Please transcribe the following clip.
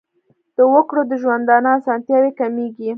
د وګړو د ژوندانه اسانتیاوې کمیږي.